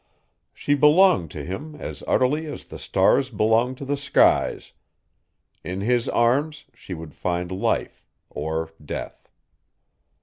She belonged to him as utterly as the stars belonged to the skies. In his arms she would find life or death.